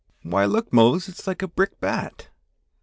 "Why, look, Mose, it's like a brick bat!"